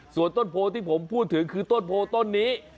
ส่วนต้นโพยักษ์ที่ผมพูดถึงคือต้นโพยักษ์ต้นนี้